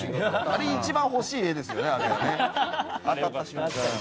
あれ、一番欲しい画ですよね。